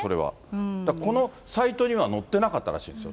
このサイトには載ってなかったらしいんですよ。